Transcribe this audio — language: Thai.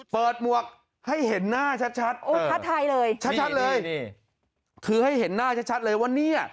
เปิดหมวกให้เห็นหน้าชัดชัดเลยคือให้เห็นหน้าชัดเลยว่าเนี่ย